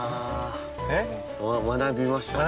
えっ？学びましたね。